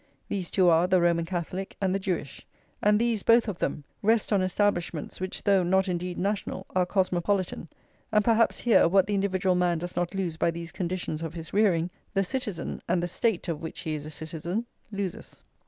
These two are the Roman Catholic and the Jewish. And these, both of them, rest on Establishments, which, though not indeed national, are cosmopolitan; and perhaps here, what the individual man does not lose by these conditions of his rearing, the citizen, and the State of which he is a citizen, loses.